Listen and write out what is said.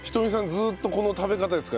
ずっとこの食べ方ですか？